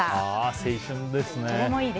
青春ですね。